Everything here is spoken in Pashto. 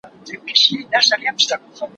زه اوږده وخت د سبا لپاره د نوي لغتونو يادوم